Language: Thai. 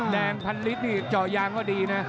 แดงพันลิตรนี่เจาะยางก็ดีนะ